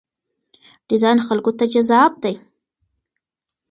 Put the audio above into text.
ډیزاین خلکو ته جذاب دی.